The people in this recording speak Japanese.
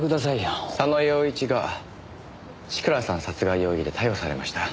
佐野陽一が千倉さん殺害容疑で逮捕されました。